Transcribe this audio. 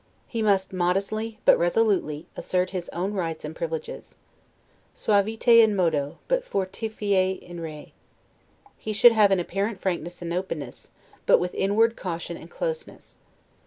He must modestly, but resolutely, assert his own rights and privileges. 'Suaviter in modo', but 'fortiter in re'. He should have an apparent frankness and openness, but with inward caution and closeness.